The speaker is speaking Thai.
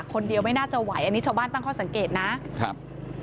คนเดียวไม่น่าจะไหวอันนี้ชาวบ้านตั้งข้อสังเกตนะครับ